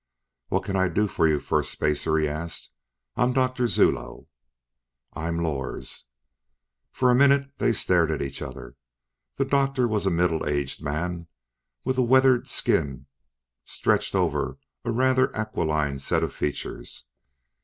"What can I do for you, Firstspacer?" He asked. "I'm Doctor Zuloe." "I'm Lors." For a moment, they stared at each other. The doctor was a middle aged man with a weathered skin stretched over a rather aquiline set of features.